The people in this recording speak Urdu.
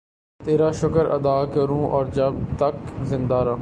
تیرا شکر ادا کروں اور جب تک زندہ رہوں